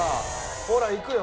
ほらいくよ。